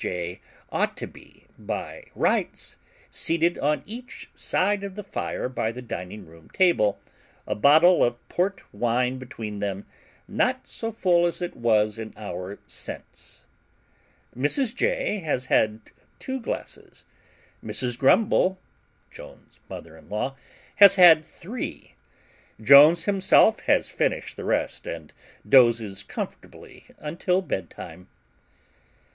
ought to be, by rights, seated on each side of the fire by the dining room table, a bottle of port wine between them, not so full as it was an hour since. Mrs. J. has had two glasses; Mrs. Grumble (Jones's mother in law) has had three; Jones himself has finished the rest, and dozes comfortably until bed time.